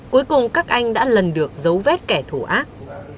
cuối cùng các anh đã lần được giấu vết kẻ thù ác